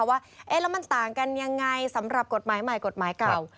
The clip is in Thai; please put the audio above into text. ว่าแล้วมันต่างกันยังไงสำหรับกฎหมายใหม่กฎหมายเก่า